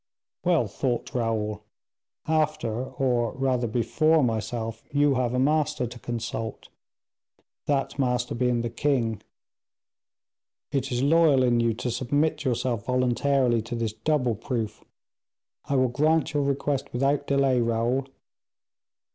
"Well thought, Raoul! After, or rather before myself, you have a master to consult, that master being the king; it is loyal in you to submit yourself voluntarily to this double proof; I will grant your request without delay, Raoul."